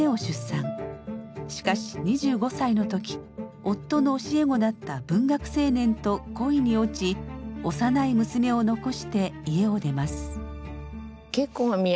しかし２５歳の時夫の教え子だった文学青年と恋に落ち幼い娘を残して家を出ます。